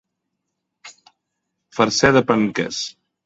Fer-se de penques.